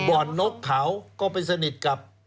บ่อนนกเขาก็ไปสนิทกับ